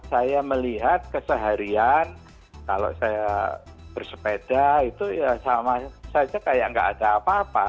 saya melihat keseharian kalau saya bersepeda itu ya sama saja kayak nggak ada apa apa